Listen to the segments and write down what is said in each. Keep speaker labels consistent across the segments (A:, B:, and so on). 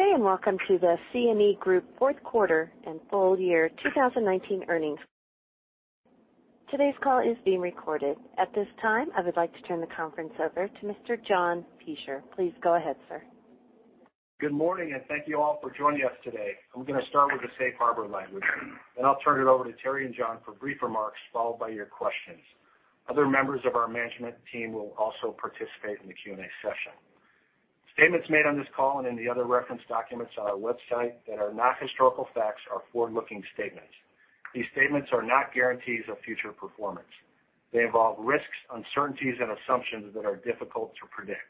A: Good day, and welcome to the CME Group Q4 and Full Year 2019 Earnings Call. Today's call is being recorded. At this time, I would like to turn the conference over to Mr. John Peschier. Please go ahead, sir.
B: Good morning, and thank you all for joining us today. I'm going to start with the safe harbor language, then I'll turn it over to Terry and John for brief remarks, followed by your questions. Other members of our management team will also participate in the Q&A session. Statements made on this call and in the other reference documents on our website that are not historical facts are forward-looking statements. These statements are not guarantees of future performance. They involve risks, uncertainties, and assumptions that are difficult to predict.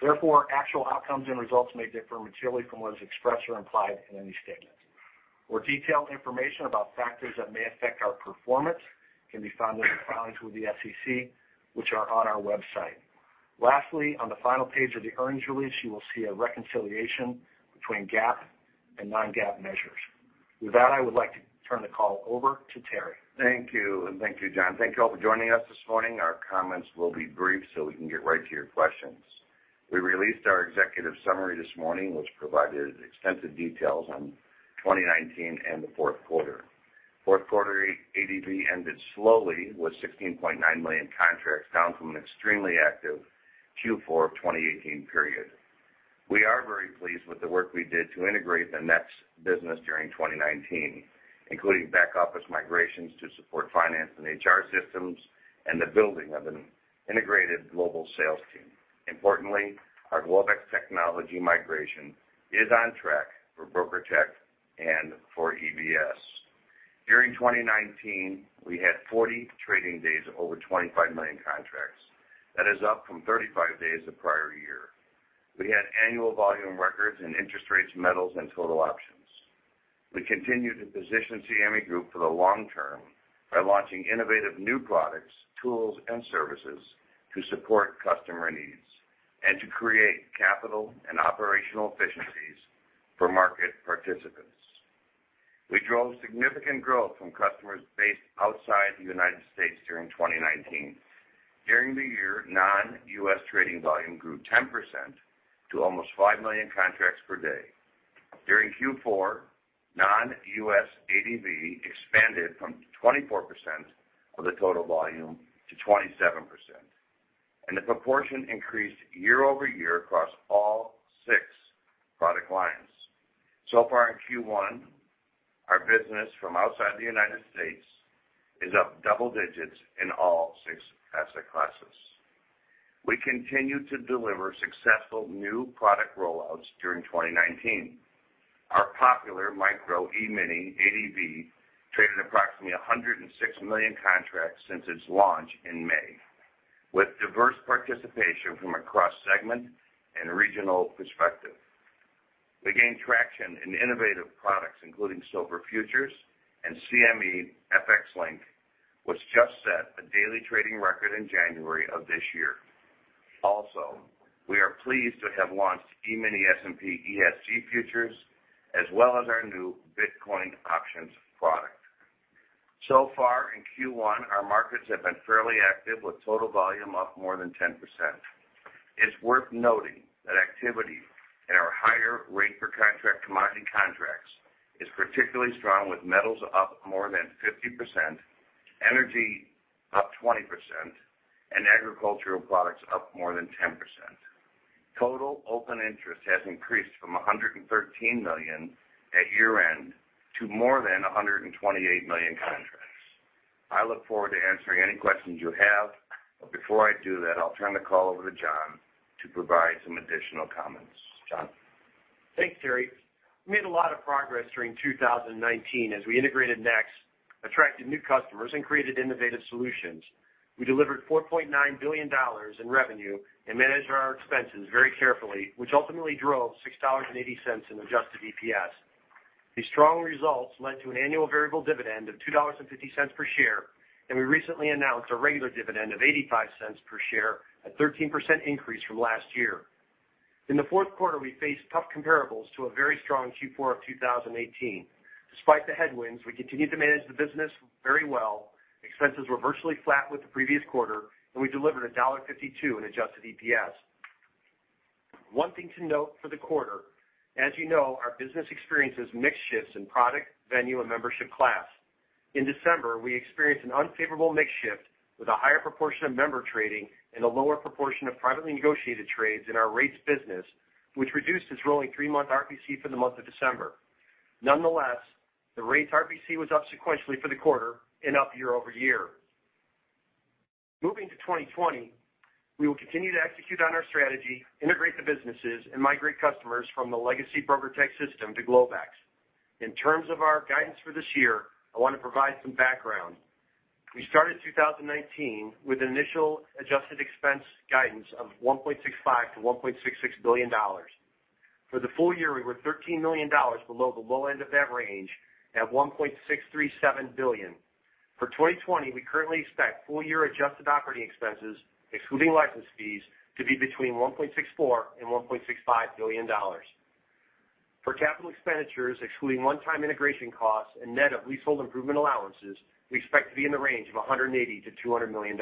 B: Therefore, actual outcomes and results may differ materially from what is expressed or implied in any statement. More detailed information about factors that may affect our performance can be found in the filings with the SEC, which are on our website. Lastly, on the final page of the earnings release, you will see a reconciliation between GAAP and non-GAAP measures. With that, I would like to turn the call over to Terry.
C: Thank you, John. Thank you all for joining us this morning. Our comments will be brief so we can get right to your questions. We released our executive summary this morning, which provided extensive details on 2019 and the Q4. Q4 ADV ended slowly with 16.9 million contracts, down from an extremely active Q4 of 2018 period. We are very pleased with the work we did to integrate the NEX business during 2019, including back-office migrations to support finance and HR systems and the building of an integrated global sales team. Importantly, our Globex technology migration is on track for BrokerTec and for EBS. During 2019, we had 40 trading days of over 25 million contracts. That is up from 35 days the prior year. We had annual volume records in interest rates, metals, and total options. We continue to position CME Group for the long term by launching innovative new products, tools, and services to support customer needs and to create capital and operational efficiencies for market participants. We drove significant growth from customers based outside the United States during 2019. During the year, non-U.S. trading volume grew 10% to almost five million contracts per day. During Q4, non-U.S. ADV expanded from 24% of the total volume to 27%, and the proportion increased year-over-year across all six product lines. Far in Q1, our business from outside the United States is up double digits in all six asset classes. We continued to deliver successful new product rollouts during 2019. Our popular Micro E-mini ADV traded approximately 106 million contracts since its launch in May, with diverse participation from across segment and regional perspective. We gained traction in innovative products, including silver futures and CME FX Link, which just set a daily trading record in January of this year. Also, we are pleased to have launched E-mini S&P ESG futures, as well as our new Bitcoin options product. So far in Q1, our markets have been fairly active, with total volume up more than 10%. It's worth noting that activity in our higher rate per contract commodity contracts is particularly strong, with metals up more than 50%, energy up 20%, and agricultural products up more than 10%. Total open interest has increased from 113 million at year-end to more than 128 million contracts. I look forward to answering any questions you have, before I do that, I'll turn the call over to John to provide some additional comments. John?
D: Thanks, Terry. We made a lot of progress during 2019 as we integrated NEX, attracted new customers, and created innovative solutions. We delivered $4.9 billion in revenue and managed our expenses very carefully, which ultimately drove $6.80 in adjusted EPS. These strong results led to an annual variable dividend of $2.50 per share, and we recently announced a regular dividend of $0.85 per share, a 13% increase from last year. In the Q4, we faced tough comparables to a very strong Q4 of 2018. Despite the headwinds, we continued to manage the business very well. Expenses were virtually flat with the previous quarter, and we delivered $1.52 in adjusted EPS. One thing to note for the quarter, as you know, our business experiences mix shifts in product, venue, and membership class. In December, we experienced an unfavorable mix shift with a higher proportion of member trading and a lower proportion of privately negotiated trades in our rates business, which reduced its rolling three-month RPC for the month of December. Nonetheless, the rates RPC was up sequentially for the quarter and up year-over-year. Moving to 2020, we will continue to execute on our strategy, integrate the businesses, and migrate customers from the Legacy BrokerTec system to Globex. In terms of our guidance for this year, I want to provide some background. We started 2019 with initial adjusted expense guidance of $1.65 billion-$1.66 billion. For the full year, we were $13 million below the low end of that range at $1.637 billion. For 2020, we currently expect full-year adjusted operating expenses, excluding license fees, to be between $1.64 billion and $1.65 billion. For CapEx, excluding one-time integration costs and net of leasehold improvement allowances, we expect to be in the range of $180 million-$200 million.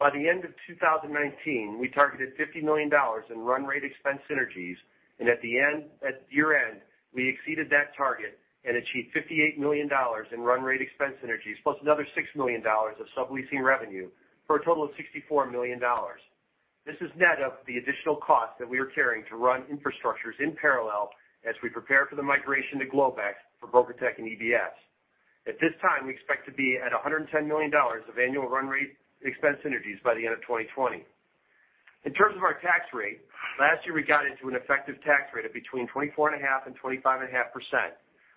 D: By the end of 2019, we targeted $50 million in run rate expense synergies. At year-end, we exceeded that target and achieved $58 million in run rate expense synergies, plus another $6 million of subleasing revenue, for a total of $64 million. This is net of the additional cost that we are carrying to run infrastructures in parallel as we prepare for the migration to Globex for BrokerTec and EBS. At this time, we expect to be at $110 million of annual run rate expense synergies by the end of 2020. In terms of our tax rate, last year we got into an effective tax rate of between 24.5%-25.5%.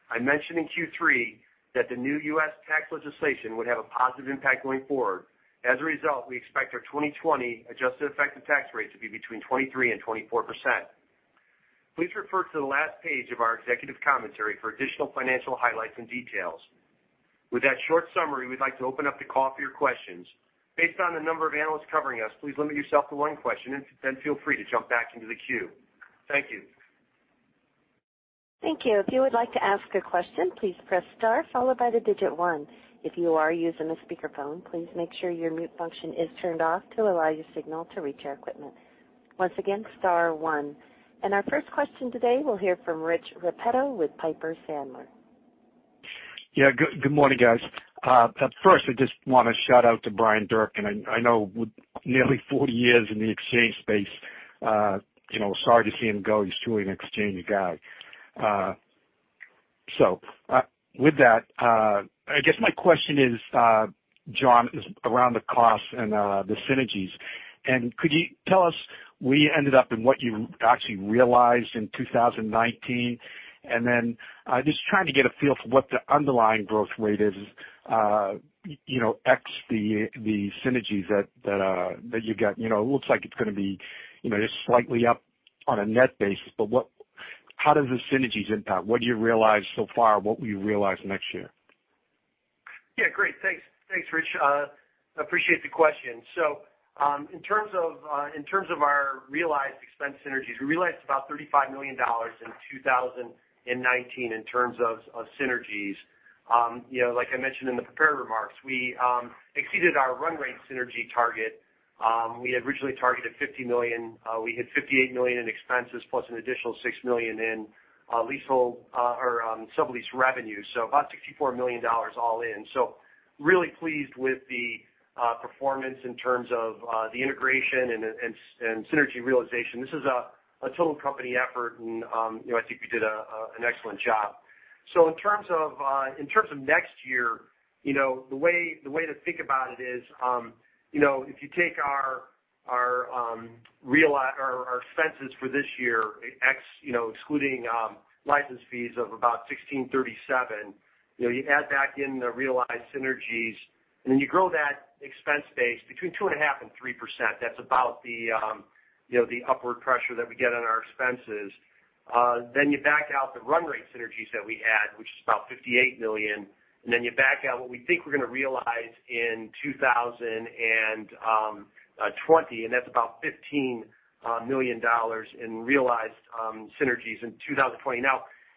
D: I mentioned in Q3 that the new U.S. tax legislation would have a positive impact going forward. As a result, we expect our 2020 adjusted effective tax rate to be between 23% and 24%. Please refer to the last page of our executive commentary for additional financial highlights and details. With that short summary, we'd like to open up the call for your questions. Based on the number of analysts covering us, please limit yourself to one question and then feel free to jump back into the queue. Thank you.
A: Thank you. If you would like to ask a question, please press star followed by the digit one. If you are using a speakerphone, please make sure your mute function is turned off to allow your signal to reach our equipment. Once again, star one. Our first question today, we'll hear from Rich Repetto with Piper Sandler.
E: Good morning, guys. First, I just want to shout out to Bryan Durkin. I know with nearly 40 years in the exchange space, sorry to see him go. He's truly an exchange guy. With that, I guess my question is, John, is around the costs and the synergies. Could you tell us where you ended up and what you actually realized in 2019? Just trying to get a feel for what the underlying growth rate is, ex the synergies that you got. It looks like it's going to be just slightly up on a net basis. How does the synergies impact? What do you realize so far? What will you realize next year?
D: Great. Thanks, Rich. Appreciate the question. In terms of our realized expense synergies, we realized about $35 million in 2019 in terms of synergies. Like I mentioned in the prepared remarks, we exceeded our run rate synergy target. We had originally targeted $50 million. We hit $58 million in expenses plus an additional $6 million in sublease revenue. About $64 million all in. Really pleased with the performance in terms of the integration and synergy realization. This is a total company effort, and I think we did an excellent job. In terms of next year, the way to think about it is, if you take our expenses for this year, excluding license fees of about $1,637 you add back in the realized synergies, and then you grow that expense base between 2.5% and 3%. That's about the upward pressure that we get on our expenses. You back out the run rate synergies that we had, which is about $58 million, and then you back out what we think we're going to realize in 2020, and that's about $15 million in realized synergies in 2020.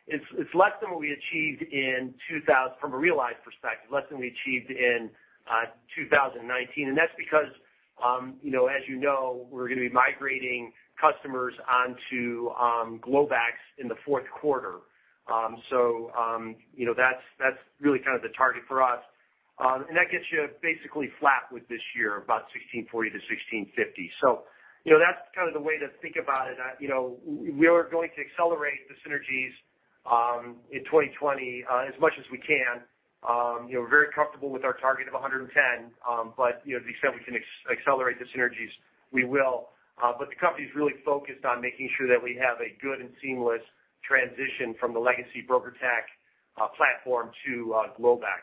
D: It's less than we achieved from a realized perspective, less than we achieved in 2019. That's because as you know, we're going to be migrating customers onto Globex in the Q4. That's really kind of the target for us. That gets you basically flat with this year, about $1,640-$1,650. That's kind of the way to think about it. We are going to accelerate the synergies in 2020 as much as we can. We're very comfortable with our target of $110. To the extent we can accelerate the synergies, we will. The company's really focused on making sure that we have a good and seamless transition from the legacy BrokerTec platform to Globex.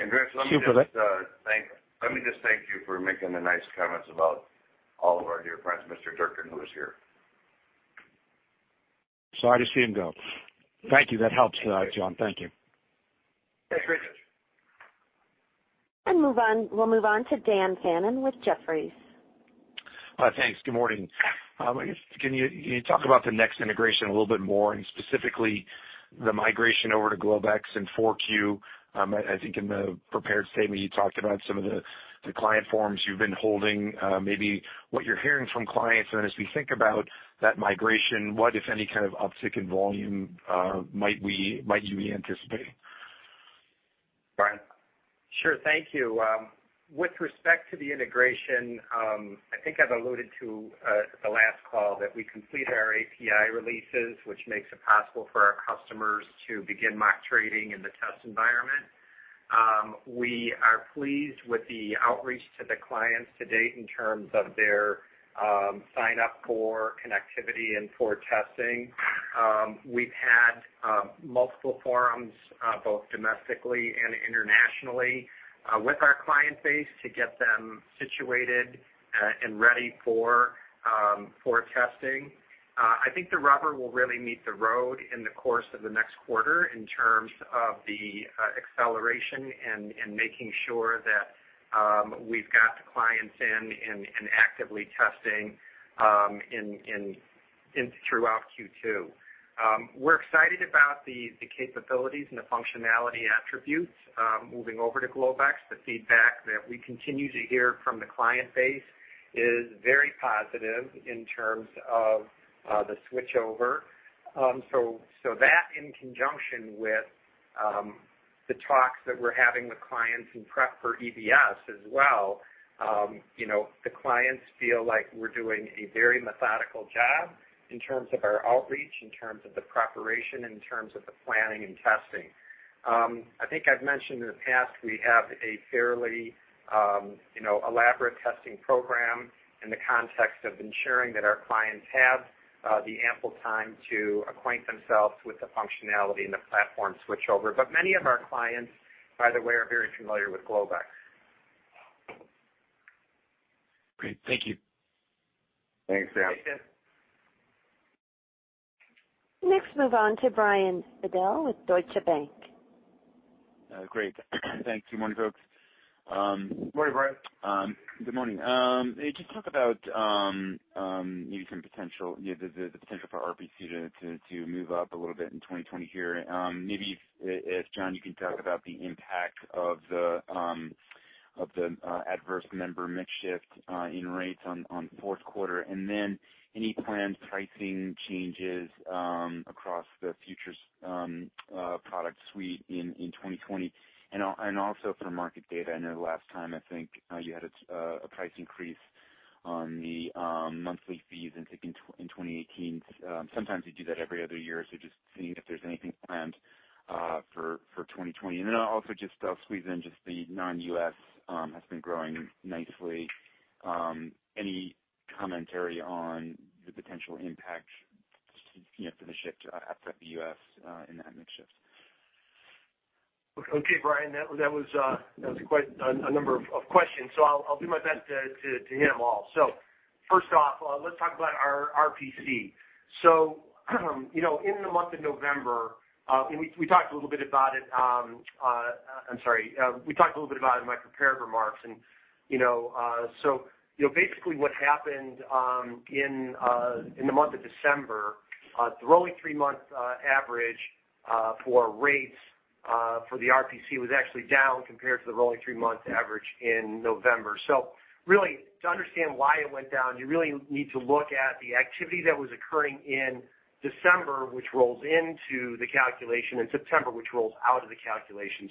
C: Rich, let me just thank you for making the nice comments about all of our dear friends, Mr. Durkin, who is here.
E: Sorry to see him go. Thank you. That helps, John. Thank you.
D: Thanks, Rich.
A: We'll move on to Dan Fannon with Jefferies.
F: Thanks. Good morning. Can you talk about the NEX integration a little bit more, and specifically the migration over to Globex in 4Q? I think in the prepared statement, you talked about some of the client forums you've been holding, maybe what you're hearing from clients. As we think about that migration, what, if any, kind of uptick in volume might we anticipate?
C: Bryan.
G: Sure. Thank you. With respect to the integration, I think I've alluded to at the last call that we completed our API releases, which makes it possible for our customers to begin mock trading in the test environment. We are pleased with the outreach to the clients to date in terms of their sign-up for connectivity and for testing. We've had multiple forums, both domestically and internationally, with our client base to get them situated and ready for testing. I think the rubber will really meet the road in the course of the next quarter in terms of the acceleration and making sure that we've got the clients in and actively testing in throughout Q2. We're excited about the capabilities and the functionality attributes moving over to Globex. The feedback that we continue to hear from the client base is very positive in terms of the switchover. That in conjunction with the talks that we're having with clients in prep for EBS as well, the clients feel like we're doing a very methodical job in terms of our outreach, in terms of the preparation, in terms of the planning and testing. I think I've mentioned in the past, we have a fairly elaborate testing program in the context of ensuring that our clients have the ample time to acquaint themselves with the functionality and the platform switchover. Many of our clients, by the way, are very familiar with Globex.
F: Great. Thank you.
G: Thanks, Dan.
F: Thanks.
A: Next, move on to Brian Bedell with Deutsche Bank.
H: Great. Thank you. Morning, folks.
D: Morning, Brian.
H: Good morning. Just talk about maybe the potential for RPC to move up a little bit in 2020 here. Maybe if, John, you can talk about the impact of the adverse member mix shift in rates on Q4, then any planned pricing changes across the futures product suite in 2020, also for market data. I know last time, I think you had a price increase on the monthly fees in 2018. Sometimes you do that every other year, just seeing if there's anything planned for 2020. I'll also just squeeze in just the non-U.S. has been growing nicely. Any commentary on the potential impact for the shift outside the U.S. in that mix shift?
D: Okay, Brian, that was quite a number of questions. I'll do my best to hit them all. First off, let's talk about our RPC. In the month of November, I'm sorry, we talked a little bit about it in my prepared remarks. Basically what happened in the month of December, the rolling three-month average for rates for the RPC was actually down compared to the rolling three-month average in November. Really, to understand why it went down, you really need to look at the activity that was occurring in December, which rolls into the calculation, and September, which rolls out of the calculation.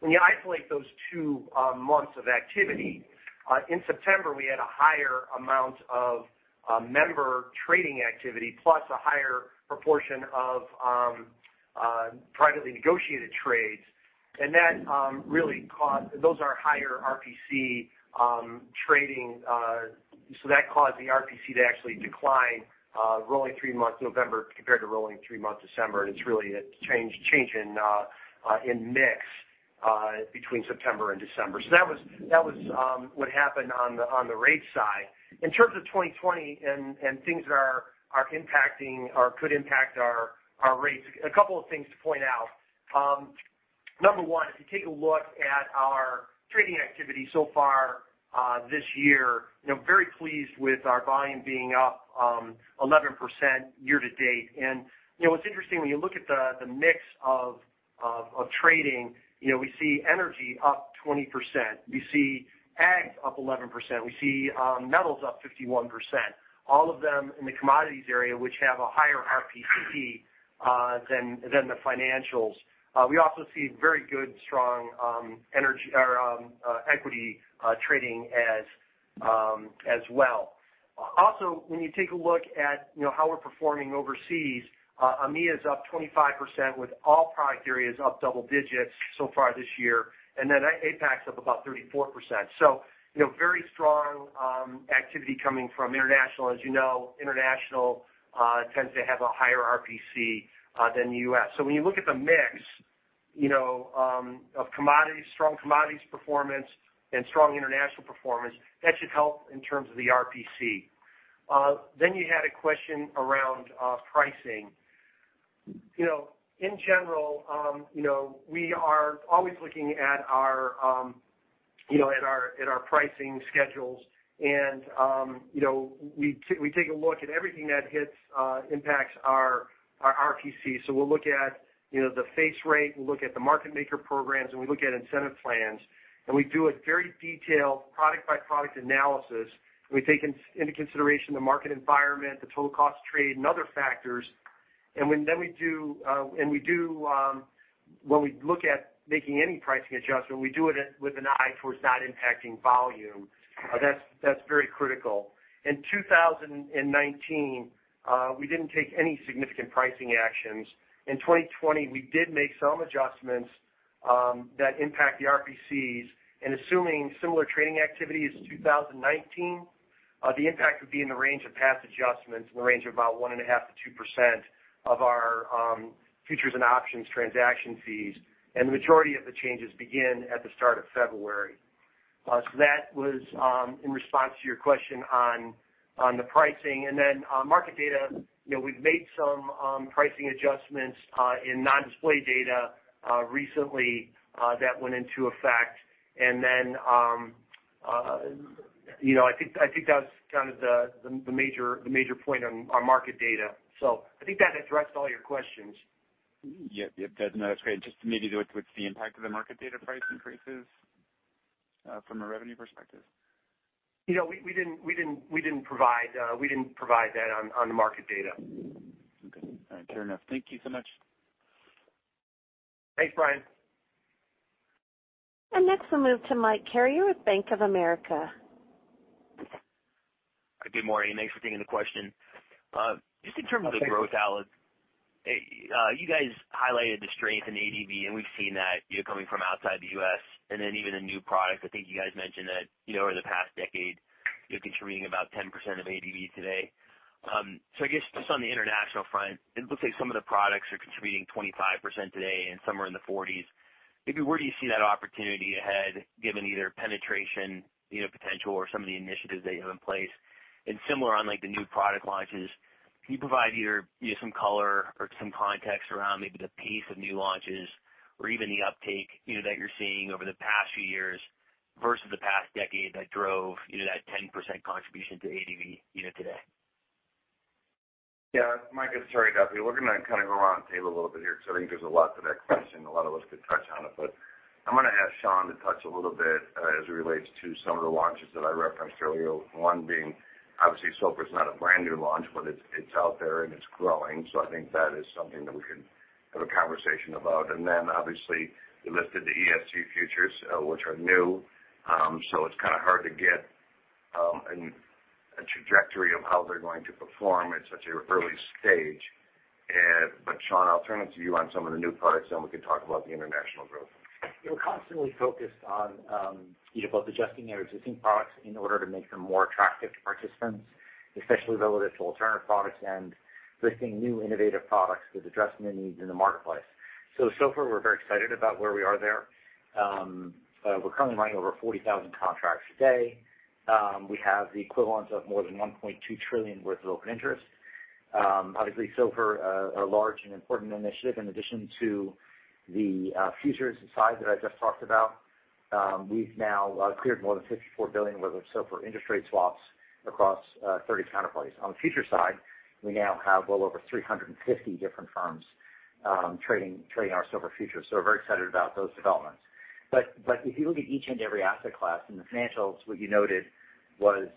D: When you isolate those two months of activity, in September, we had a higher amount of member trading activity, plus a higher proportion of privately negotiated trades. Those are higher RPC trading, that caused the RPC to actually decline rolling three months November compared to rolling three months December. It's really a change in mix between September and December. That was what happened on the rate side. In terms of 2020 and things that are impacting or could impact our rates, a couple of things to point out. Number one, if you take a look at our trading activity so far this year, very pleased with our volume being up 11% year-to-date. What's interesting, when you look at the mix of trading, we see energy up 20%. We see ag up 11%. We see metals up 51%, all of them in the commodities area, which have a higher RPC than the financials. We also see very good, strong equity trading as well. When you take a look at how we're performing overseas, EMEA's up 25% with all product areas up double digits so far this year, APAC's up about 34%. Very strong activity coming from international. As you know, international tends to have a higher RPC than U.S. When you look at the mix of strong commodities performance and strong international performance, that should help in terms of the RPC. You had a question around pricing. In general, we are always looking at our pricing schedules, we take a look at everything that hits, impacts our RPC. We'll look at the face rate, we'll look at the market maker programs, and we look at incentive plans. We do a very detailed product-by-product analysis, we take into consideration the market environment, the total cost of trade, and other factors. When we look at making any pricing adjustment, we do it with an eye towards not impacting volume. That's very critical. In 2019, we didn't take any significant pricing actions. In 2020, we did make some adjustments that impact the RPCs, and assuming similar trading activity as 2019, the impact would be in the range of past adjustments in the range of about 1.5%-2% of our futures and options transaction fees. The majority of the changes begin at the start of February. That was in response to your question on the pricing. On market data, we've made some pricing adjustments in non-display data recently that went into effect. I think that was kind of the major point on our market data. I think that addressed all your questions.
H: Yep. That's great. Maybe what's the impact of the market data price increases, from a revenue perspective?
D: We didn't provide that on the market data.
H: Okay. All right. Fair enough. Thank you so much.
D: Thanks, Brian.
A: Next we'll move to Mike Carrier with Bank of America.
I: Good morning. Thanks for taking the question. Just in terms of the growth outlook, you guys highlighted the strength in ADV. We've seen that coming from outside the U.S. Even the new product, I think you guys mentioned that over the past decade, contributing about 10% of ADV today. I guess just on the international front, it looks like some of the products are contributing 25% today and some are in the 40s. Maybe where do you see that opportunity ahead given either penetration potential or some of the initiatives that you have in place? Similar on the new product launches, can you provide either some color or some context around maybe the pace of new launches or even the uptake that you're seeing over the past few years versus the past decade that drove that 10% contribution to ADV today?
C: Mike, sorry about that. We're going to kind of go around the table a little bit here because I think there's a lot to that question. A lot of us could touch on it, I'm going to ask Sean to touch a little bit as it relates to some of the launches that I referenced earlier. One being, obviously, silver's not a brand-new launch, but it's out there and it's growing. I think that is something that we can have a conversation about. Obviously we listed the ESG futures, which are new, it's kind of hard to get a trajectory of how they're going to perform at such an early stage. Sean, I'll turn it to you on some of the new products, then we can talk about the international growth.
J: We're constantly focused on both adjusting our existing products in order to make them more attractive to participants, especially relative to alternative products and listing new innovative products that address new needs in the marketplace. So far, we're very excited about where we are there. We're currently running over 40,000 contracts a day. We have the equivalent of more than $1.2 trillion worth of open interest. Obviously, silver, a large and important initiative in addition to the futures side that I just talked about. We've now cleared more than $54 billion worth of SOFR interest rate swaps across 30 counterparties. On the futures side, we now have well over 350 different firms trading our SOFR futures. We're very excited about those developments. If you look at each and every asset class, in the financials, what you noted was,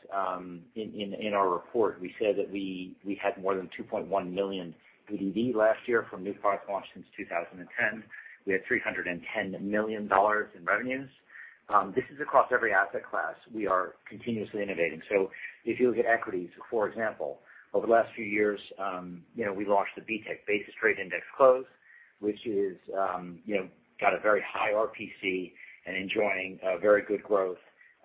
J: in our report, we said that we had more than $2.1 million DDV last year from new products launched since 2010. We had $310 million in revenues. This is across every asset class. We are continuously innovating. If you look at equities, for example, over the last few years we launched the BTIC, Basis Trade Index Close, which got a very high RPC and enjoying very good growth,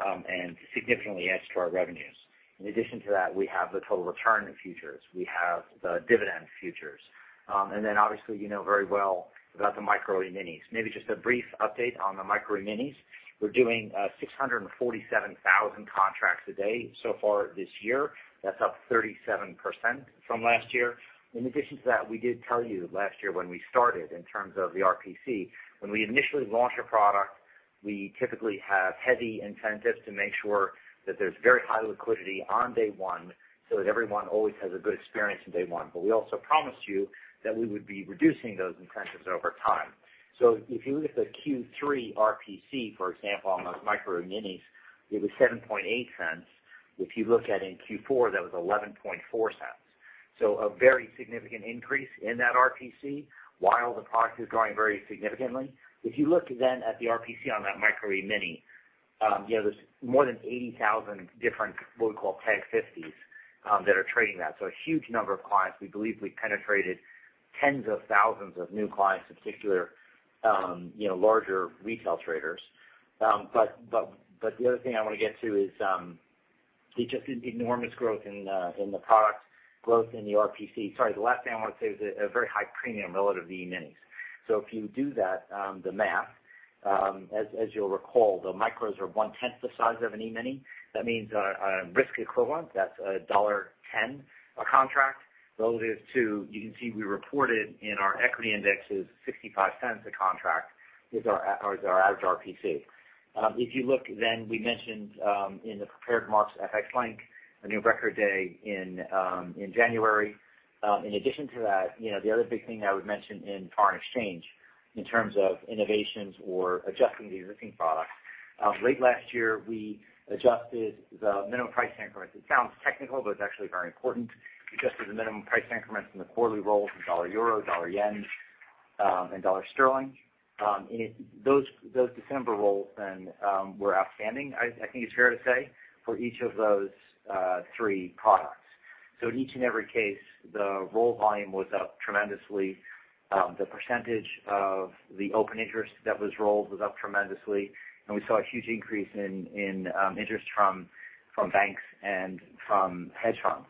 J: and significantly adds to our revenues. In addition to that, we have the Total Return in futures. We have the dividend futures. Obviously, you know very well about the Micro E-minis. Maybe just a brief update on the Micro E-minis. We're doing 647,000 contracts a day so far this year. That's up 37% from last year. In addition to that, we did tell you last year when we started, in terms of the RPC, when we initially launch a product, we typically have heavy incentives to make sure that there is very high liquidity on day one so that everyone always has a good experience on day one. We also promised you that we would be reducing those incentives over time. If you look at the Q3 RPC, for example, on those Micro E-minis, it was $0.078. If you look at in Q4, that was $0.114. A very significant increase in that RPC while the product is growing very significantly. If you look at the RPC on that Micro E-mini, there is more than 80,000 different what we call Tag 50s that are trading that. A huge number of clients. We believe we penetrated tens of thousands of new clients, in particular, larger retail traders. The other thing I want to get to is just the enormous growth in the product, growth in the RPC. The last thing I want to say is a very high premium relative to the E-minis. If you do that, the math, as you'll recall, the Micros are one tenth the size of an E-mini. That means risk equivalent, that's $1.10 a contract relative to, you can see we reported in our equity indexes $0.65 a contract is our average RPC. If you look, we mentioned in the prepared remarks, FX Link, a new record day in January. In addition to that, the other big thing I would mention in foreign exchange in terms of innovations or adjusting the existing products, late last year, we adjusted the minimum price increments. It sounds technical, but it's actually very important. We adjusted the minimum price increments in the quarterly roll from dollar-euro, dollar-yen, and dollar-sterling. Those December rolls were outstanding, I think it's fair to say, for each of those three products. In each and every case, the roll volume was up tremendously. The percentage of the open interest that was rolled was up tremendously, and we saw a huge increase in interest from banks and from hedge funds.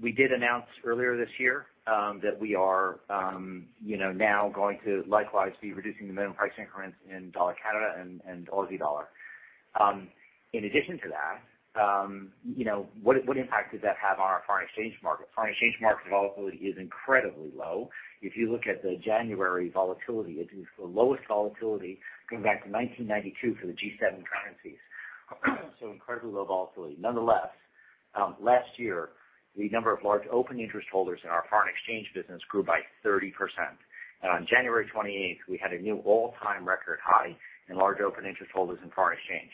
J: We did announce earlier this year that we are now going to likewise be reducing the minimum price increments in dollar-Canada and Aussie dollar. In addition to that, what impact did that have on our foreign exchange market? Foreign exchange market volatility is incredibly low. If you look at the January volatility, it's the lowest volatility going back to 1992 for the G7 currencies. Incredibly low volatility. Last year, the number of large open interest holders in our foreign exchange business grew by 30%. On January 28th, we had a new all-time record high in large open interest holders in foreign exchange.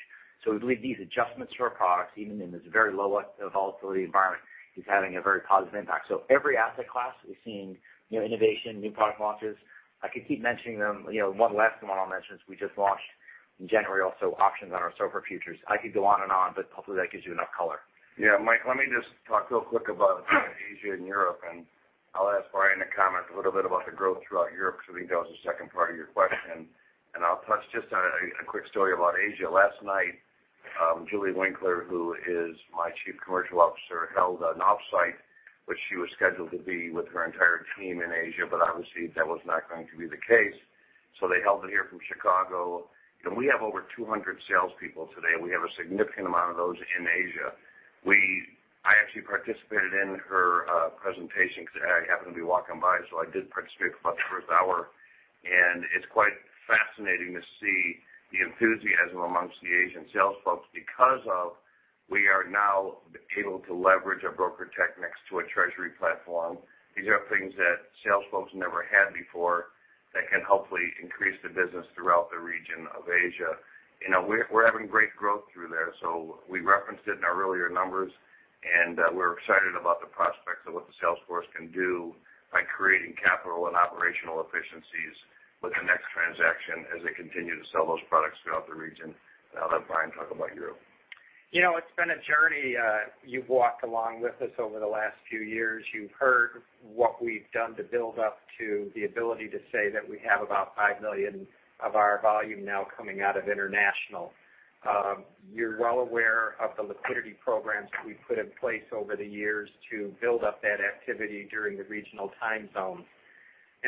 J: We believe these adjustments to our products, even in this very low volatility environment, is having a very positive impact. Every asset class is seeing innovation, new product launches. I could keep mentioning them. One last one I'll mention is we just launched in January, also options on our SOFR futures. I could go on and on, but hopefully that gives you enough color.
C: Yeah, Mike, let me just talk real quick about Asia and Europe. I'll ask Bryan to comment a little bit about the growth throughout Europe, because I think that was the second part of your question. I'll touch just on a quick story about Asia. Last night, Julie Winkler, who is my Chief Commercial Officer, held an offsite, which she was scheduled to be with her entire team in Asia. Obviously, that was not going to be the case. They held it here from Chicago. We have over 200 salespeople today, and we have a significant amount of those in Asia. I actually participated in her presentation because I happened to be walking by, I did participate for about the first hour. It's quite fascinating to see the enthusiasm amongst the Asian sales folks because we are now able to leverage a BrokerTec next to a treasury platform. These are things that sales folks never had before that can hopefully increase the business throughout the region of Asia. We're having great growth through there, so we referenced it in our earlier numbers, and we're excited about the prospects of what the sales force can do by creating capital and operational efficiencies with the NEX transaction as they continue to sell those products throughout the region. I'll let Bryan talk about Europe.
G: It's been a journey. You've walked along with us over the last few years. You've heard what we've done to build up to the ability to say that we have about $5 million of our volume now coming out of international. You're well aware of the liquidity programs that we've put in place over the years to build up that activity during the regional time zones.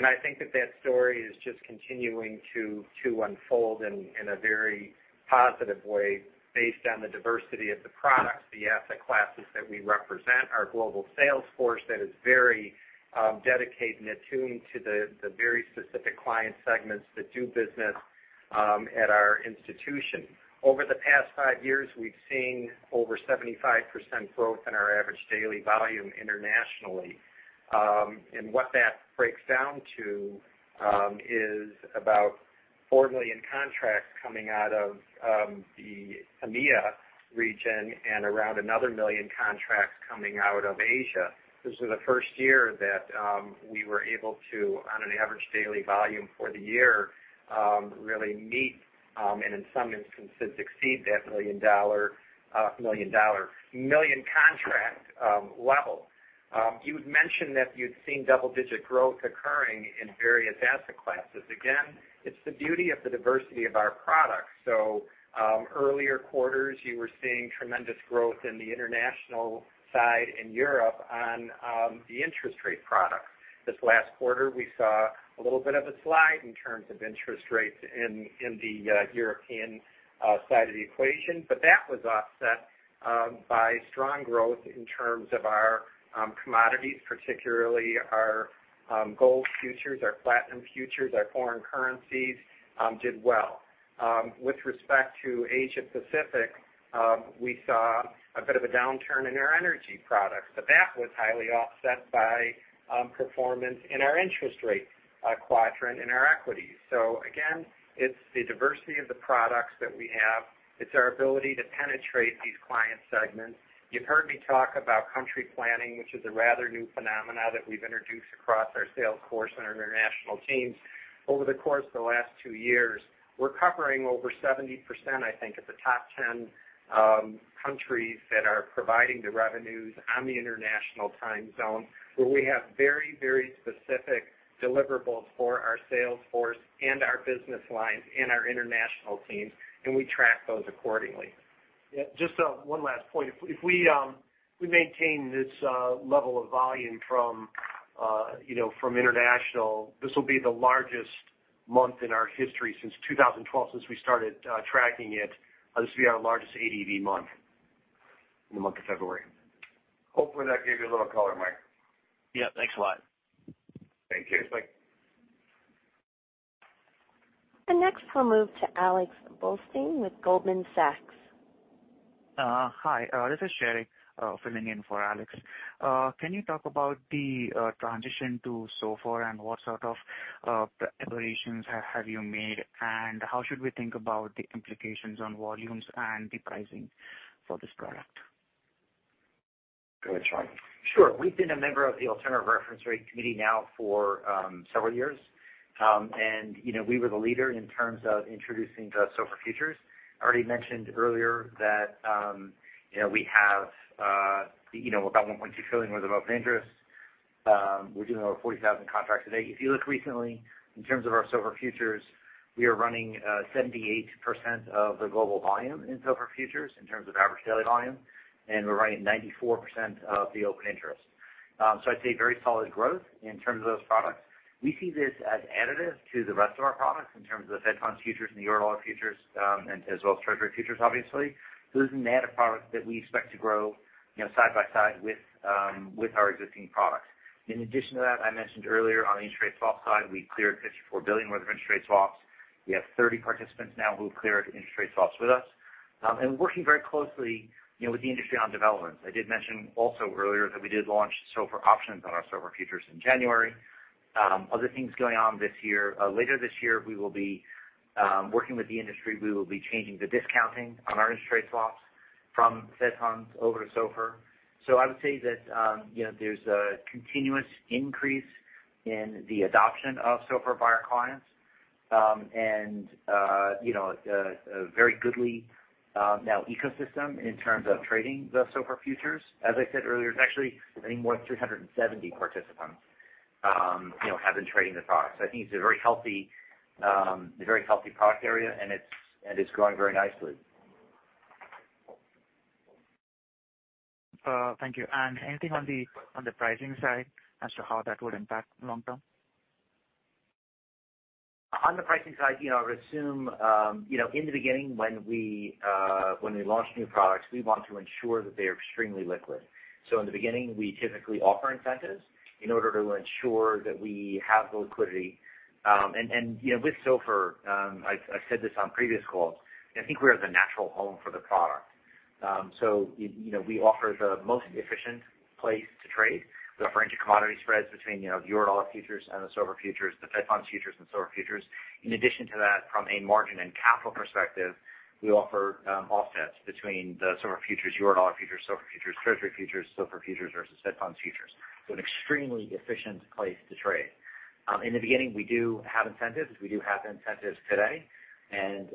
G: I think that that story is just continuing to unfold in a very positive way based on the diversity of the products, the asset classes that we represent, our global sales force that is very dedicated and attuned to the very specific client segments that do business at our institution. Over the past five years, we've seen over 75% growth in our average daily volume internationally. What that breaks down to is about four million contracts coming out of the EMEA region and around another million contracts coming out of Asia. This is the first year that we were able to, on an Average Daily Volume for the year, really meet, and in some instances, exceed that million contract level. You had mentioned that you'd seen double-digit growth occurring in various asset classes. Again, it's the beauty of the diversity of our products. Earlier quarters, you were seeing tremendous growth in the international side in Europe on the interest rate products. This last quarter, we saw a little bit of a slide in terms of interest rates in the European side of the equation. That was offset by strong growth in terms of our commodities, particularly our gold futures, our platinum futures, our foreign currencies did well. With respect to Asia Pacific, we saw a bit of a downturn in our energy products, that was highly offset by performance in our interest rate quadrant in our equities. Again, it's the diversity of the products that we have. It's our ability to penetrate these client segments. You've heard me talk about country planning, which is a rather new phenomena that we've introduced across our sales force and our international teams over the course of the last two years. We're covering over 70%, I think, of the top 10 countries that are providing the revenues on the international time zone, where we have very specific deliverables for our sales force and our business lines and our international teams, we track those accordingly.
J: Just one last point. If we maintain this level of volume from international, this will be the largest month in our history since 2012, since we started tracking it. This will be our largest ADV month, in the month of February.
C: Hopefully, that gave you a little color, Mike.
I: Yeah, thanks a lot.
C: Thank you.
J: Thanks.
A: Next we'll move to Alex Blostein with Goldman Sachs.
K: Hi, this is Sherry filling in for Alex. Can you talk about the transition to SOFR and what sort of preparations have you made, and how should we think about the implications on volumes and the pricing for this product?
C: Go ahead, Sean.
J: Sure. We've been a member of the Alternative Reference Rates Committee now for several years. We were the leader in terms of introducing SOFR futures. I already mentioned earlier that we have about $1.2 trillion worth of open interest. We're doing over 40,000 contracts a day. If you look recently, in terms of our SOFR futures, we are running 78% of the global volume in SOFR futures in terms of average daily volume, and we're running 94% of the open interest. I'd say very solid growth in terms of those products. We see this as additive to the rest of our products in terms of the Fed Funds futures and the Eurodollar futures, as well as Treasury futures, obviously. This is an additive product that we expect to grow side by side with our existing products. In addition to that, I mentioned earlier on the interest rate swap side, we cleared $54 billion worth of interest rate swaps. We have 30 participants now who have cleared interest rate swaps with us and working very closely with the industry on developments. I did mention also earlier that we did launch SOFR options on our SOFR futures in January. Other things going on this year. Later this year, we will be working with the industry, we will be changing the discounting on our interest rate swaps from Fed Funds over to SOFR. I would say that there's a continuous increase in the adoption of SOFR by our clients, and a very goodly now ecosystem in terms of trading the SOFR futures. As I said earlier, it's actually, I think, more than 370 participants have been trading the product. I think it's a very healthy product area, and it's growing very nicely.
K: Thank you. Anything on the pricing side as to how that would impact long-term?
J: On the pricing side, I would assume in the beginning when we launch new products, we want to ensure that they are extremely liquid. In the beginning, we typically offer incentives in order to ensure that we have the liquidity. With SOFR, I've said this on previous calls, I think we're the natural home for the product. We offer the most efficient place to trade. We offer inter-commodity spreads between the Eurodollar futures and the SOFR futures, the Fed Funds futures, and SOFR futures. In addition to that, from a margin and capital perspective, we offer offsets between the SOFR futures, Eurodollar futures, SOFR futures, Treasury futures, SOFR futures versus Fed Funds futures. An extremely efficient place to trade. In the beginning, we do have incentives. We do have incentives today. As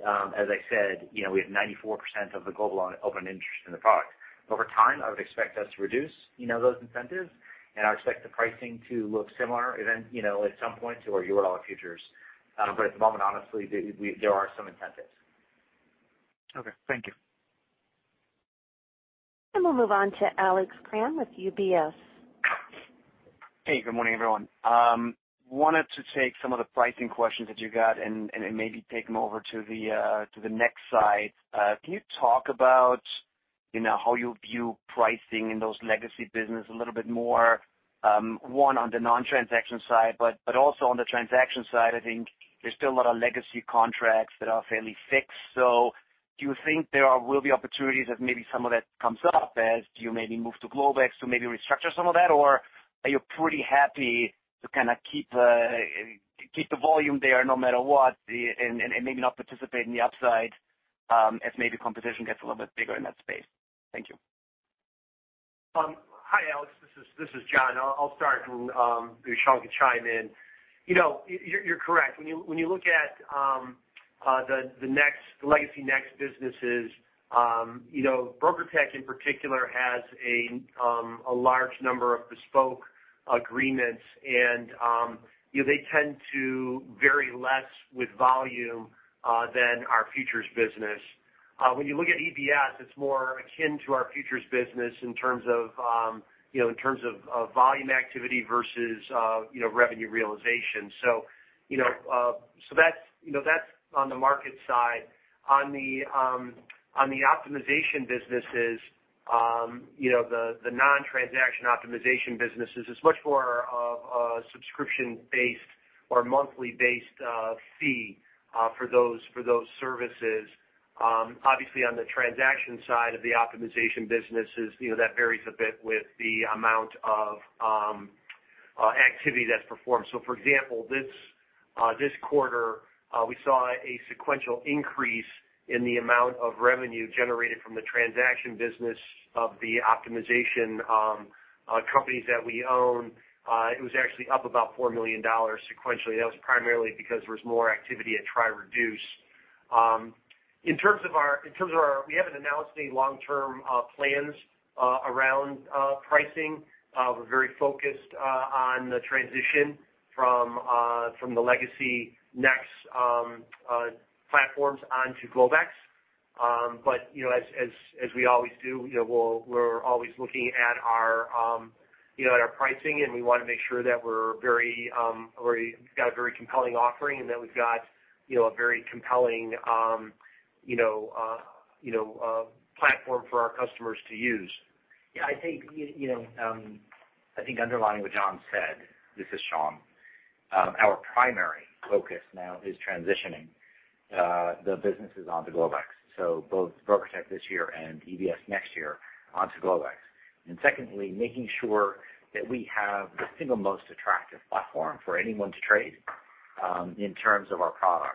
J: I said, we have 94% of the global open interest in the product. Over time, I would expect us to reduce those incentives. I expect the pricing to look similar at some point to our Eurodollar futures. At the moment, honestly, there are some incentives.
K: Okay. Thank you.
A: We'll move on to Alex Kramm with UBS.
L: Hey, good morning, everyone. Wanted to take some of the pricing questions that you got and maybe take them over to the NEX side. Can you talk about how you view pricing in those legacy business a little bit more, one on the non-transaction side, but also on the transaction side, I think there's still a lot of legacy contracts that are fairly fixed. Do you think there will be opportunities as maybe some of that comes up as you maybe move to Globex to maybe restructure some of that? Or are you pretty happy to kind of keep the volume there no matter what and maybe not participate in the upside, as maybe competition gets a little bit bigger in that space? Thank you.
D: Hi, Alex. This is John. I'll start and maybe Sean can chime in. You're correct. When you look at the legacy NEX businesses, BrokerTec in particular has a large number of bespoke agreements, and they tend to vary less with volume than our futures business. When you look at EBS, it's more akin to our futures business in terms of volume activity versus revenue realization. That's on the market side. On the optimization businesses, the non-transaction optimization businesses, it's much more of a subscription-based or monthly-based fee for those services. Obviously, on the transaction side of the optimization businesses, that varies a bit with the amount of activity that's performed. For example, this quarter, we saw a sequential increase in the amount of revenue generated from the transaction business of the optimization companies that we own. It was actually up about $4 million sequentially. That was primarily because there was more activity at triReduce. We haven't announced any long-term plans around pricing. We're very focused on the transition from the legacy NEX platforms onto Globex. As we always do, we're always looking at our pricing, and we want to make sure that we've got a very compelling offering and that we've got a very compelling platform for our customers to use.
J: Yeah, I think underlying what John said, this is Sean, our primary focus now is transitioning the businesses onto Globex. Both BrokerTec this year and EBS next year onto Globex. Secondly, making sure that we have the single most attractive platform for anyone to trade in terms of our products.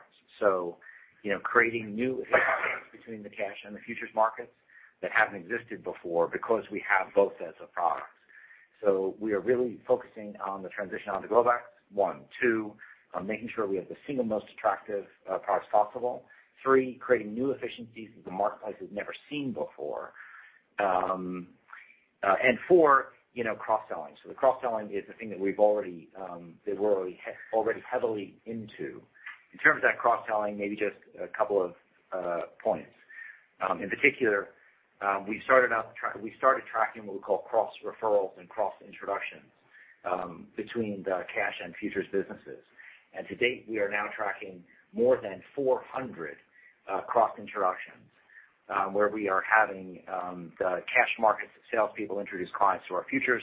J: Creating new efficiencies between the cash and the futures markets that haven't existed before because we have both as a product. We are really focusing on the transition onto Globex, one. Two, on making sure we have the single most attractive products possible. Three, creating new efficiencies that the marketplace has never seen before. Four, cross-selling. The cross-selling is the thing that we're already heavily into. In terms of that cross-selling, maybe just a couple of points. In particular, we started tracking what we call cross-referrals and cross-introductions between the cash and futures businesses. To date, we are now tracking more than 400 cross-introductions, where we are having the cash markets salespeople introduce clients to our futures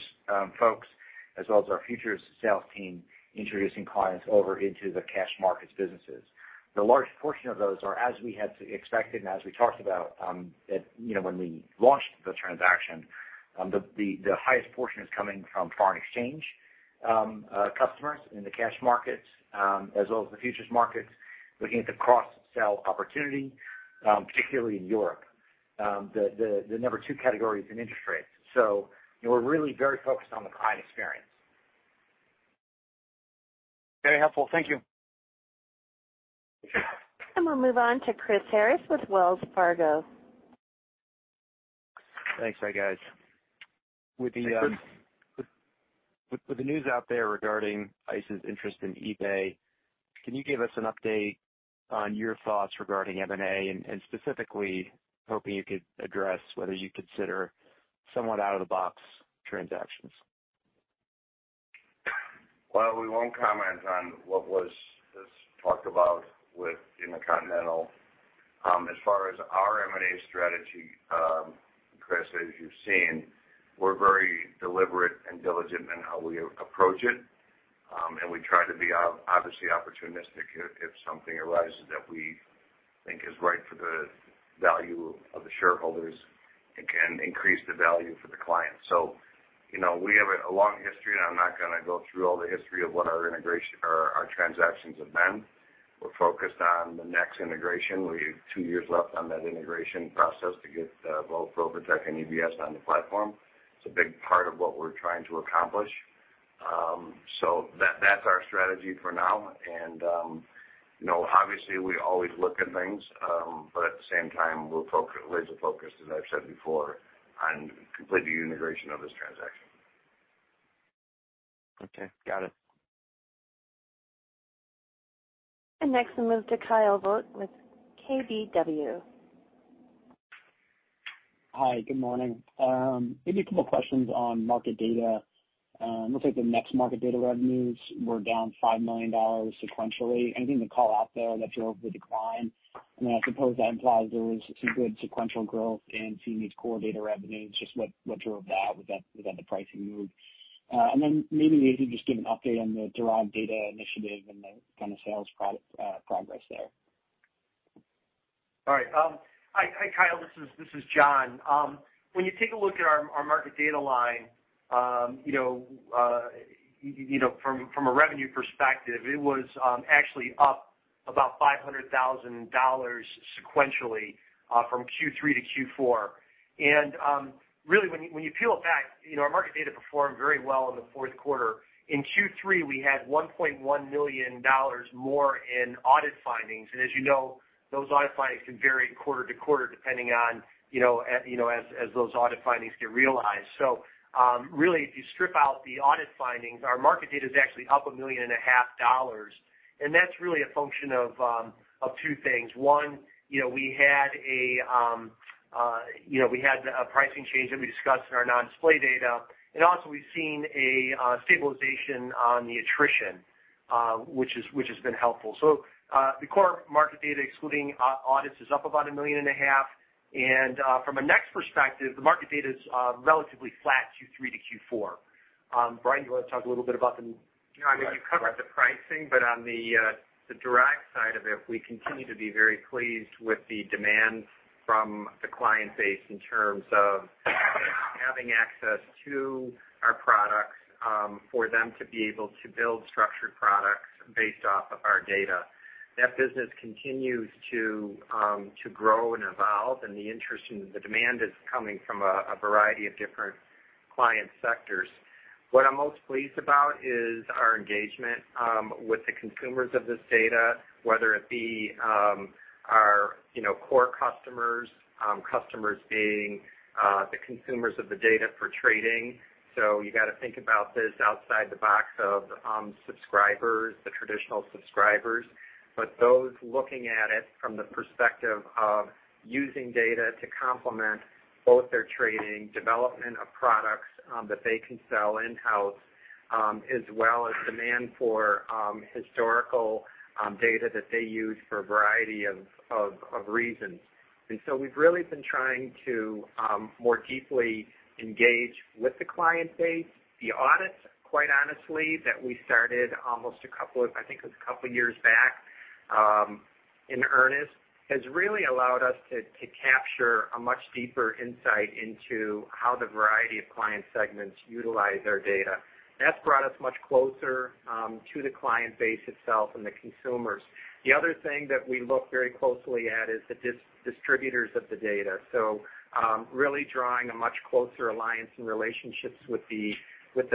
J: folks, as well as our futures sales team introducing clients over into the cash markets businesses. The large portion of those are as we had expected and as we talked about when we launched the transaction, the highest portion is coming from foreign exchange customers in the cash markets, as well as the futures markets, looking at the cross-sell opportunity, particularly in Europe. The number two category is in interest rates. We're really very focused on the client experience.
L: Very helpful. Thank you.
A: We'll move on to Chris Harris with Wells Fargo.
M: Thanks, guys.
J: Hey, Chris.
M: With the news out there regarding ICE's interest in eBay, can you give us an update on your thoughts regarding M&A, and specifically hoping you could address whether you consider somewhat out-of-the-box transactions?
C: Well, we won't comment on what was talked about with Intercontinental. As far as our M&A strategy, Chris, as you've seen, we're very deliberate and diligent in how we approach it. We try to be obviously opportunistic if something arises that we think is right for the value of the shareholders. It can increase the value for the client. We have a long history, and I'm not going to go through all the history of what our transactions have been. We're focused on the next integration. We have two years left on that integration process to get both BrokerTec and EBS on the platform. It's a big part of what we're trying to accomplish. That's our strategy for now. Obviously, we always look at things, but at the same time, we're laser-focused, as I've said before, on completing the integration of this transaction.
M: Okay, got it.
A: Next, we'll move to Kyle Voigt with KBW.
N: Hi, good morning. Maybe a couple questions on market data. It looks like the NEX market data revenues were down $5 million sequentially. Anything to call out there that drove the decline? Then I suppose that implies there was some good sequential growth in CME's core data revenues. Just what drove that without the pricing move? Then maybe if you just give an update on the derived data initiative and the kind of sales progress there.
D: All right. Hi, Kyle. This is John. When you take a look at our market data line, from a revenue perspective, it was actually up about $500,000 sequentially from Q3 to Q4. Really, when you peel it back, our market data performed very well in the Q4. In Q3, we had $1.1 million more in audit findings. As you know, those audit findings can vary quarter to quarter depending on as those audit findings get realized. Really, if you strip out the audit findings, our market data is actually up a million and a half dollars, and that's really a function of two things. One, we had a pricing change that we discussed in our non-display data. Also we've seen a stabilization on the attrition, which has been helpful. The core market data, excluding audits, is up about a million and a half, and from a NEX perspective, the market data's relatively flat Q3 to Q4. Bryan, do you want to talk a little bit about?
G: Yeah, I mean, you covered the pricing, but on the derived side of it, we continue to be very pleased with the demand from the client base in terms of having access to our products for them to be able to build structured products based off of our data. That business continues to grow and evolve, and the interest and the demand is coming from a variety of different client sectors. What I'm most pleased about is our engagement with the consumers of this data, whether it be our core customers being the consumers of the data for trading. You got to think about this outside the box of subscribers, the traditional subscribers. Those looking at it from the perspective of using data to complement both their trading, development of products that they can sell in-house, as well as demand for historical data that they use for a variety of reasons. We've really been trying to more deeply engage with the client base. The audits, quite honestly, that we started almost, I think it was a couple years back in earnest, has really allowed us to capture a much deeper insight into how the variety of client segments utilize our data. That's brought us much closer to the client base itself and the consumers. The other thing that we look very closely at is the distributors of the data. Really drawing a much closer alliance in relationships with the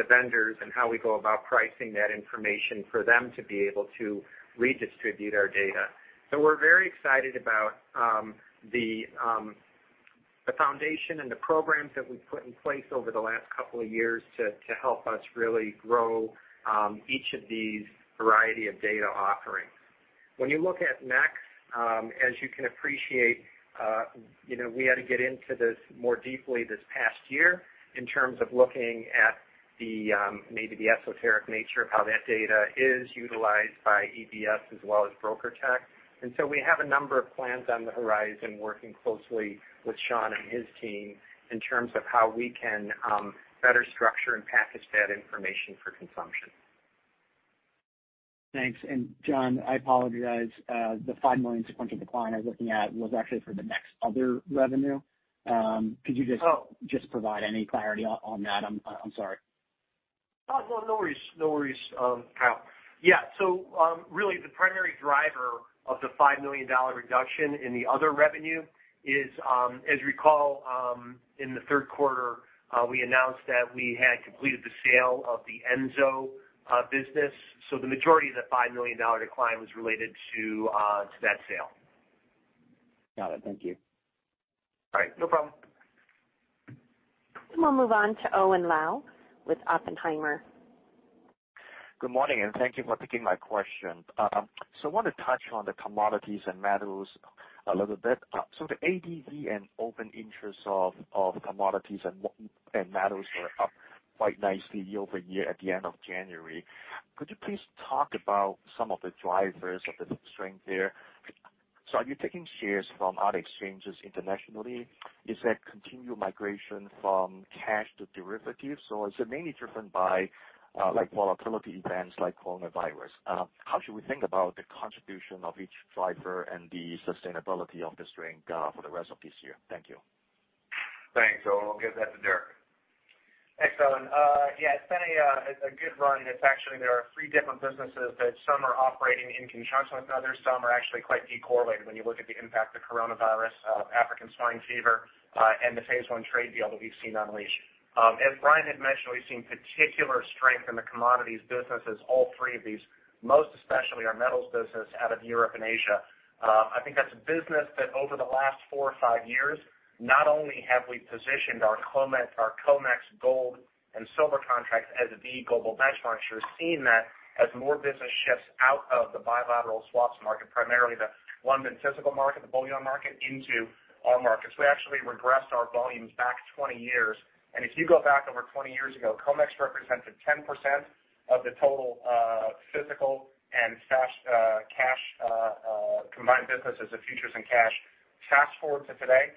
G: vendors and how we go about pricing that information for them to be able to redistribute our data. We're very excited about the foundation and the programs that we've put in place over the last couple of years to help us really grow each of these variety of data offerings. When you look at NEX, as you can appreciate, we had to get into this more deeply this past year in terms of looking at. The esoteric nature of how that data is utilized by EBS as well as BrokerTec. We have a number of plans on the horizon, working closely with Sean and his team in terms of how we can better structure and package that information for consumption.
N: Thanks. And John, I apologize. The $5 million sequential decline I was looking at was actually for the NEX other revenue. Could you just-
D: Oh.
N: Provide any clarity on that? I'm sorry.
D: No worries, Kyle. Yeah. Really the primary driver of the $5 million reduction in the other revenue is, as you recall, in the Q3, we announced that we had completed the sale of the Enso business. The majority of the $5 million decline was related to that sale.
N: Got it. Thank you.
D: All right. No problem.
A: We'll move on to Owen Lau with Oppenheimer.
O: Good morning, thank you for taking my question. I want to touch on the commodities and metals a little bit. The ADV and open interest of commodities and metals were up quite nicely year-over-year at the end of January. Could you please talk about some of the drivers of the strength there? Are you taking shares from other exchanges internationally? Is that continued migration from cash to derivatives, or is it mainly driven by volatility events like coronavirus? How should we think about the contribution of each driver and the sustainability of the strength for the rest of this year? Thank you.
C: Thanks, Owen. I'll give that to Derek.
P: Thanks, Owen. Yeah, it's been a good run. It's actually, there are three different businesses that some are operating in conjunction with others. Some are actually quite de-correlated when you look at the impact of coronavirus, African swine fever, and the phase I trade deal that we've seen unleash. As Bryan had mentioned, we've seen particular strength in the commodities businesses, all three of these, most especially our metals business out of Europe and Asia. I think that's a business that over the last four or five years, not only have we positioned our COMEX gold and silver contracts as the global benchmark, you're seeing that as more business shifts out of the bilateral swaps market, primarily the London physical market, the bullion market, into our markets. We actually regressed our volumes back 20 years. If you go back over 20 years ago, COMEX represented 10% of the total physical and cash combined businesses of futures and cash. Fast-forward to today,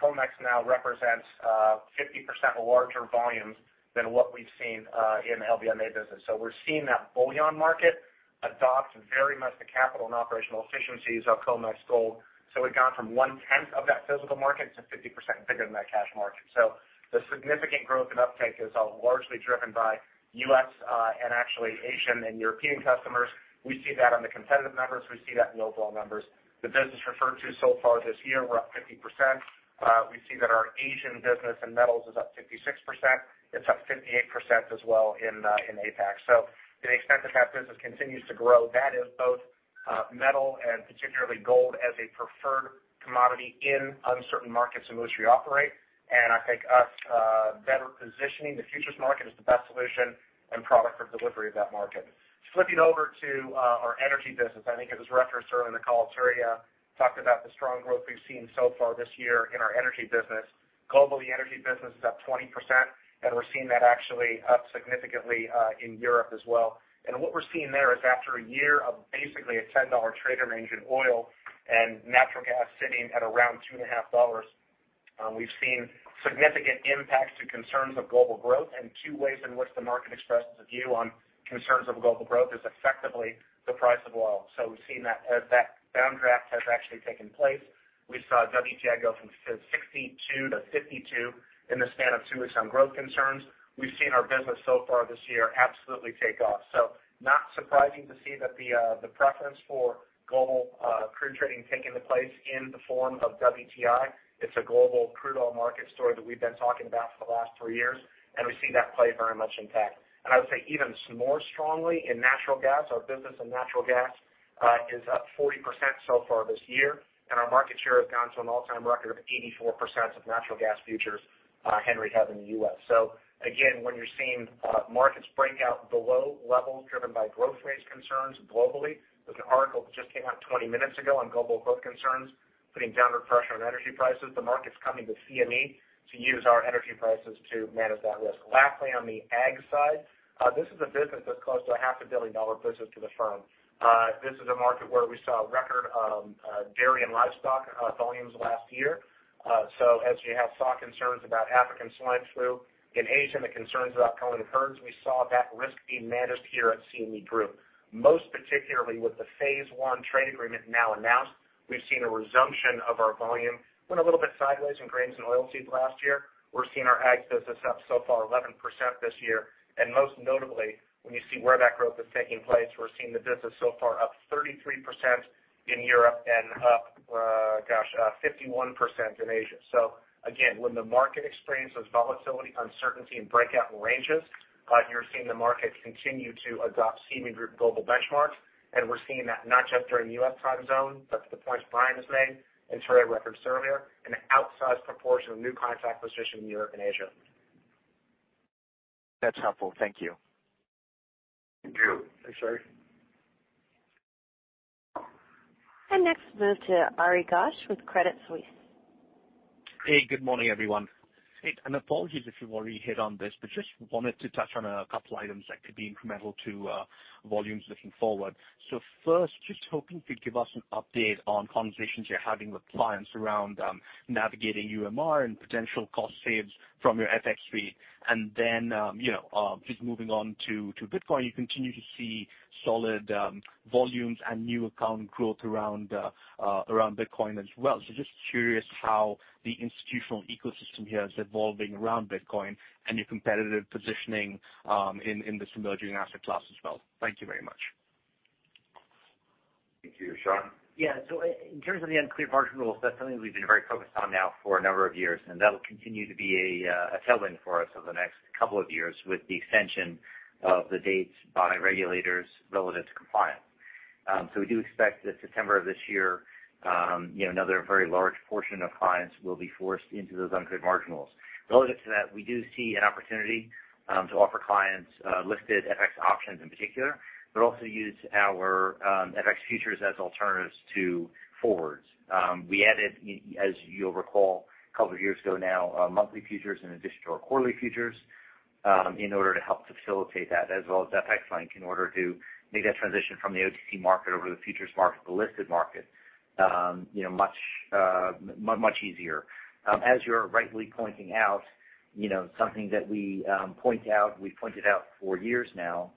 P: COMEX now represents 50% larger volumes than what we've seen in the LBMA business. We're seeing that bullion market adopt very much the capital and operational efficiencies of COMEX gold. We've gone from one-tenth of that physical market to 50% bigger than that cash market. The significant growth and uptake is largely driven by U.S. and actually Asian and European customers. We see that on the competitive numbers. We see that in overall numbers. The business referred to so far this year, we're up 50%. We see that our Asian business in metals is up 56%. It's up 58% as well in APAC. To the extent that that business continues to grow, that is both metal and particularly gold as a preferred commodity in uncertain markets in which we operate. I think us better positioning the futures market as the best solution and product for delivery of that market. Flipping over to our energy business, I think it was referenced earlier in the call, Terry talked about the strong growth we've seen so far this year in our energy business. Globally, energy business is up 20%, and we're seeing that actually up significantly in Europe as well. What we're seeing there is after a year of basically a $10 trade range in oil and natural gas sitting at around $2.50, we've seen significant impacts to concerns of global growth and two ways in which the market expresses a view on concerns of global growth is effectively the price of oil. We've seen that as that downdraft has actually taken place. We saw WTI go from $62 to $52 in the span of two weeks on growth concerns. We've seen our business so far this year absolutely take off. Not surprising to see that the preference for global crude trading taking the place in the form of WTI. It's a global crude oil market story that we've been talking about for the last three years, and we see that play very much intact. I would say even more strongly in natural gas. Our business in natural gas is up 40% so far this year, and our market share has gone to an all-time record of 84% of natural gas futures, Henry Hub in the U.S. Again, when you're seeing markets break out below levels driven by growth rate concerns globally, there's an article that just came out 20 minutes ago on global growth concerns putting downward pressure on energy prices. The market's coming to CME to use our energy prices to manage that risk. Lastly, on the ag side, this is a business that's close to a $0.5 billion business to the firm. This is a market where we saw record dairy and livestock volumes last year. As you have saw concerns about African swine fever in Asia and the concerns about culling herds, we saw that risk being managed here at CME Group. Most particularly with the phase I trade deal now announced, we've seen a resumption of our volume. Went a little bit sideways in grains and oil seeds last year. We're seeing our ag business up so far 11% this year. Most notably, when you see where that growth is taking place, we're seeing the business so far up 33% in Europe and up, gosh, 51% in Asia. Again, when the market experiences volatility, uncertainty, and breakout in ranges, you're seeing the market continue to adopt CME Group global benchmarks. We're seeing that not just during U.S. time zone, but to the points Bryan has made and Terry referenced earlier, an outsized proportion of new client acquisition in Europe and Asia.
O: That's helpful. Thank you.
G: Thank you.
P: Thanks, Owen.
A: Next, we'll move to Ari Ghosh with Credit Suisse.
Q: Good morning, everyone. Apologies if you've already hit on this, but just wanted to touch on a couple items that could be incremental to volumes looking forward. First, just hoping you could give us an update on conversations you're having with clients around navigating UMR and potential cost saves from your FX fee. Then, just moving on to Bitcoin, you continue to see solid volumes and new account growth around Bitcoin as well. Just curious how the institutional ecosystem here is evolving around Bitcoin and your competitive positioning in this emerging asset class as well. Thank you very much.
C: Thank you. Sean?
J: In terms of the uncleared margin rules, that's something we've been very focused on now for a number of years, and that'll continue to be a tailwind for us over the next couple of years with the extension of the dates by regulators relative to compliance. We do expect that September of this year, another very large portion of clients will be forced into those uncleared margin rules. Relative to that, we do see an opportunity to offer clients listed FX options in particular, but also use our FX futures as alternatives to forwards. We added, as you'll recall a couple of years ago now, monthly futures in addition to our quarterly futures, in order to help facilitate that as well as FX Link in order to make that transition from the OTC market over to the futures market, the listed market much easier. As you're rightly pointing out, something that we point out, we've pointed out for years now,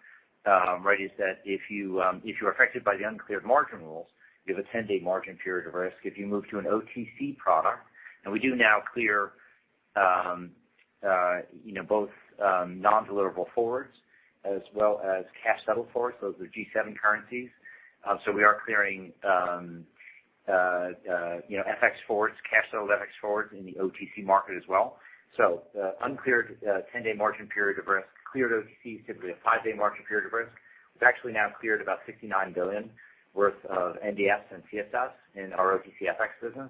J: right, is that if you're affected by the uncleared margin rules, you have a 10-day margin period of risk if you move to an OTC product. We do now clear both non-deliverable forwards as well as cash-settled forwards. Those are G7 currencies. We are clearing FX forwards, cash-settled FX forwards in the OTC market as well. The uncleared 10-day margin period of risk, cleared OTC is typically a five-day margin period of risk. We've actually now cleared about $69 billion worth of NDFs and CSFs in our OTC FX business.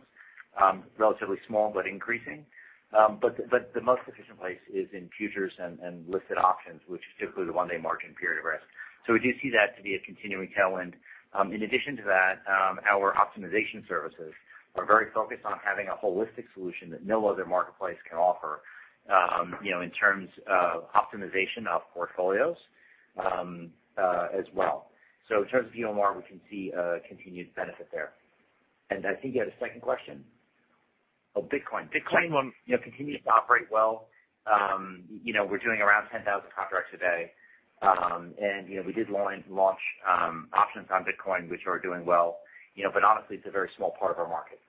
J: Relatively small, but increasing. The most efficient place is in futures and listed options, which is typically the one-day margin period of risk. We do see that to be a continuing tailwind. In addition to that, our optimization services are very focused on having a holistic solution that no other marketplace can offer in terms of optimization of portfolios as well. In terms of UMR, we can see a continued benefit there. I think you had a second question. Oh, Bitcoin. Bitcoin continues to operate well. We're doing around 10,000 contracts a day. We did launch Options on Bitcoin, which are doing well. Honestly, it's a very small part of our market.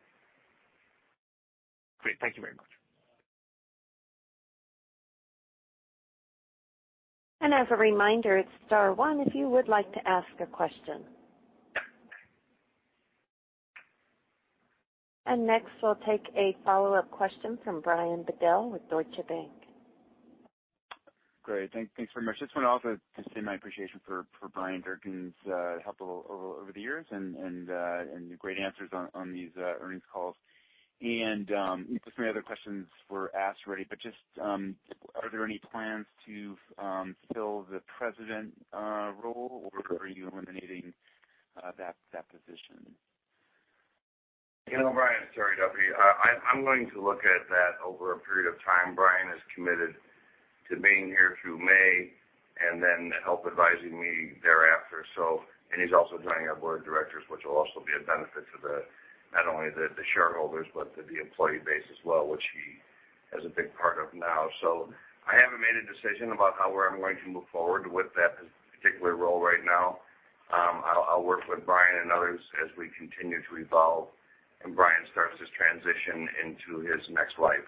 Q: Great. Thank you very much.
A: As a reminder, it's star one if you would like to ask a question. Next, we'll take a follow-up question from Brian Bedell with Deutsche Bank.
H: Great. Thanks very much. Just wanted to also just say my appreciation for Bryan Durkin's help over the years and your great answers on these earnings calls. Just many other questions were asked already, but just are there any plans to fill the president role, or are you eliminating that position?
C: You know, Brian, Terry Duffy, I'm going to look at that over a period of time. Bryan is committed to being here through May and then help advising me thereafter. He's also joining our board of directors, which will also be a benefit to not only the shareholders, but to the employee base as well, which he is a big part of now. I haven't made a decision about how I'm going to move forward with that particular role right now. I'll work with Bryan and others as we continue to evolve and Bryan starts his transition into his next life.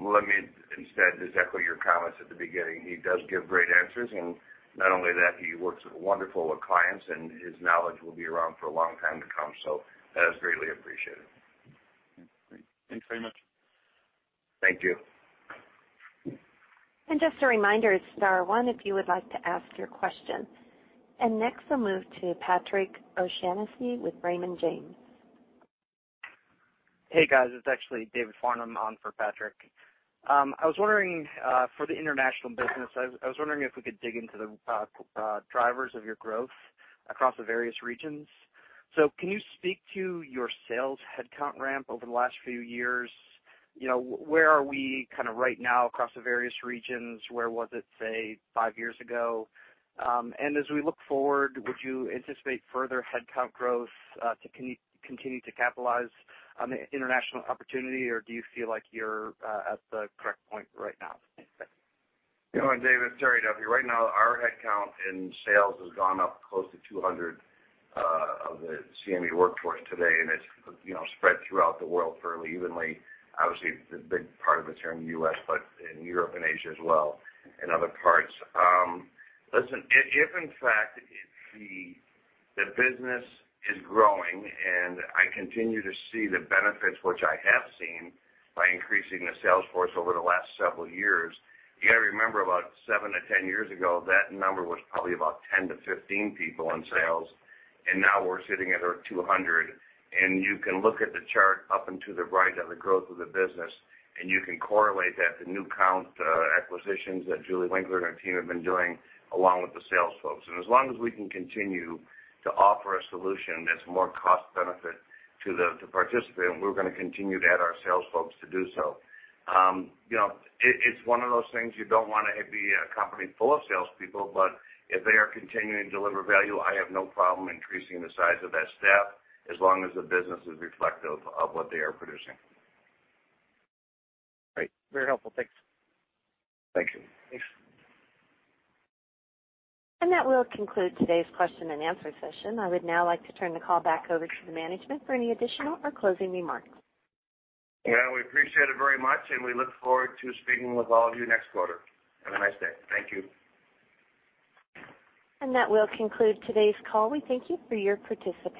C: Let me instead just echo your comments at the beginning. He does give great answers, and not only that, he works wonderful with clients, and his knowledge will be around for a long time to come, so that is greatly appreciated.
H: Thanks very much.
C: Thank you.
A: Just a reminder, it's star one if you would like to ask your question. Next, I'll move to Patrick O'Shaughnessy with Raymond James.
R: Hey, guys. It's actually David Farnum on for Patrick. For the international business, I was wondering if we could dig into the drivers of your growth across the various regions. Can you speak to your sales headcount ramp over the last few years? Where are we right now across the various regions? Where was it, say, five years ago? As we look forward, would you anticipate further headcount growth to continue to capitalize on the international opportunity, or do you feel like you're at the correct point right now?
C: You know what, David? Terry Duffy. Right now, our headcount in sales has gone up close to 200 of the CME workforce today. It's spread throughout the world fairly evenly. Obviously, the big part of it's here in the U.S., in Europe and Asia as well, other parts. Listen, if in fact, the business is growing, I continue to see the benefits, which I have seen by increasing the sales force over the last several years, you got to remember about seven to 10 years ago, that number was probably about 10-15 people in sales. Now we're sitting at over 200. You can look at the chart up and to the right of the growth of the business. You can correlate that to new count acquisitions that Julie Winkler and her team have been doing along with the sales folks. As long as we can continue to offer a solution that's more cost benefit to the participant, we're gonna continue to add our sales folks to do so. It's one of those things, you don't want to be a company full of salespeople, but if they are continuing to deliver value, I have no problem increasing the size of that staff as long as the business is reflective of what they are producing.
R: Great. Very helpful. Thanks.
C: Thank you.
R: Thanks.
A: That will conclude today's question-and-answer session. I would now like to turn the call back over to the management for any additional or closing remarks.
C: Yeah, we appreciate it very much, and we look forward to speaking with all of you next quarter. Have a nice day. Thank you.
A: That will conclude today's call. We thank you for your participation.